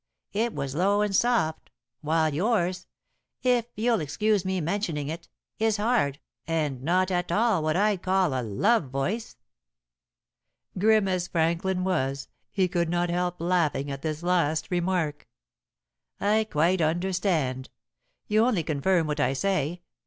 It was low and soft, while yours, if you'll excuse me mentioning it, is hard, and not at all what I'd call a love voice." Grim as Franklin was, he could not help laughing at this last remark. "I quite understand. You only confirm what I say.